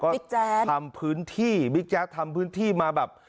ก็ทำพื้นที่บิ๊กแจ๊สทำพื้นที่มาแบบ